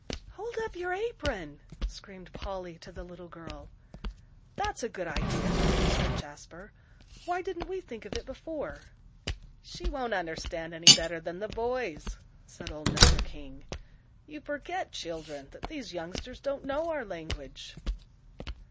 "Hold up your apron," screamed Polly to the little girl. "That's a good idea," said Jasper. "Why didn't we think of it before?" "She won't understand any better than the boys," said old Mr. King. "You forget, children, that these youngsters don't know our language."